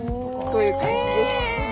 こういう感じです。